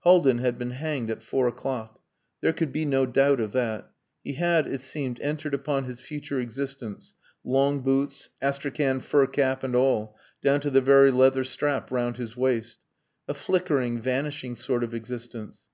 Haldin had been hanged at four o'clock. There could be no doubt of that. He had, it seemed, entered upon his future existence, long boots, Astrakhan fur cap and all, down to the very leather strap round his waist. A flickering, vanishing sort of existence.